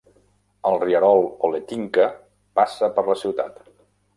El rierol Holetínka passa per la ciutat.